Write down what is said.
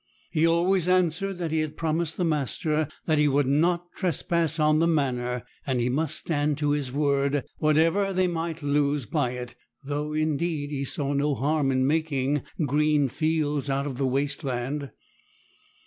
He always answered that he had promised the master that he would not trespass on the manor; and he must stand to his word, whatever they might lose by it; though, indeed, he saw no harm in making green fields out of the waste land.